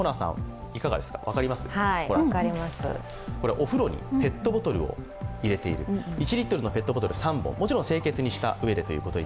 お風呂にペットボトルを入れている１リットルのペットボトル３本、もちろん清潔にしたうえです。